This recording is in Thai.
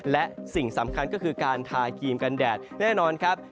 และสิ่งสำคัญก็คือการทากรีมกันแดดแน่นอนครับ